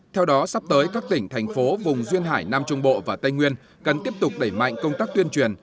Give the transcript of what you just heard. theo đó sắp tới các tỉnh thành phố vùng duyên hải nam trung bộ và tây nguyên cần tiếp tục đẩy mạnh công tác tuyên truyền